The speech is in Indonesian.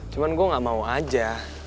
cuma gue gak mau aja